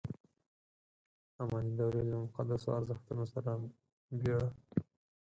اماني دورې له مقدسو ارزښتونو سره بېړه.